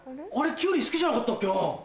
キュウリ好きじゃなかったっけな？